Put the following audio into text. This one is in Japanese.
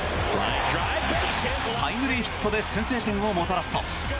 タイムリーヒットで先制点をもたらすと。